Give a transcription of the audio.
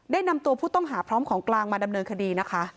นำตัวผู้ต้องหาพร้อมของกลางมาดำเนินคดีนะคะ